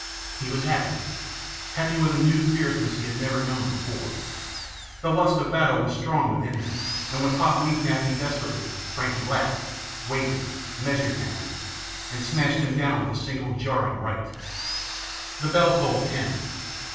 He was happy; happy with a new fierceness he had never before known. The lust of battle was strong within him and when Pop weaved Nappy desperately, Frankie laughed, waited, measured Nappy. And smashed him down with a single jarring right. The bell tolled ten.